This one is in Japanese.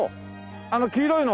あの黄色いの！